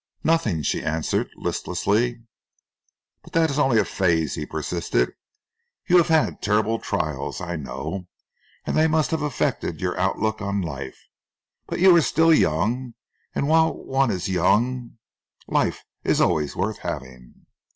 "Nothing," she answered listlessly. "But that is only a phase," he persisted. "You have had terrible trials, I know, and they must have affected your outlook on life, but you are still young, and while one is young life is always worth having."